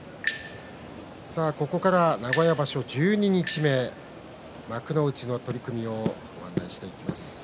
ここから、名古屋場所十二日目幕内の取組をご案内していきます。